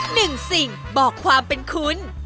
หนึ่งสิ่งบอกความเป็นคุณ